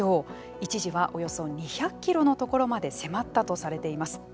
一時は、およそ２００キロのところまで迫ったとされています。